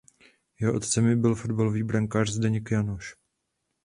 Jeho otcem byl fotbalový brankář Zdeněk Jánoš.